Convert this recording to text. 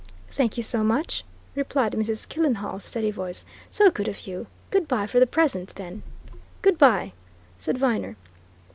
"Thank you so much," responded Mrs. Killenhall's steady voice. "So good of you good bye for the present, then." "Good bye," said Viner.